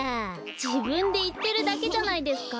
じぶんでいってるだけじゃないですか。